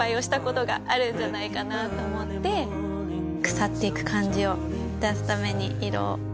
腐っていく感じを出すために色。